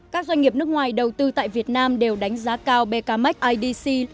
các doanh nghiệp nước ngoài đầu tư tại việt nam đều đánh giá cao becamec idc